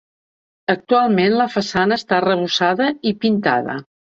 Actualment la façana està arrebossada i pintada.